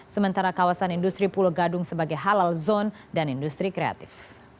sementara kawasan industri pulau gadung sebagai halal zone dan industri kreatif